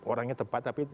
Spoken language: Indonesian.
orangnya tepat tapi